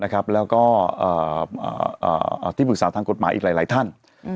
ครับแล้วก็ที่ปรึกษาทางกฎหมาหลายท่าน